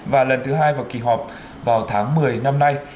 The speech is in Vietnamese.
và lần thứ hai vào kỳ họp vào tháng một mươi năm nay